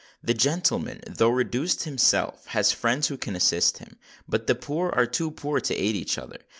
The gentleman, though reduced himself, has friends who can assist him; but the poor are too poor to aid each other.